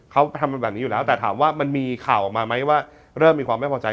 เขาทำแบบนี้อยู่แล้วแต่ถามว่ามันมีข่าวออกมาไหมว่าเริ่มมีความไม่พอใจ